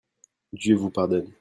Dieu vous pardonne.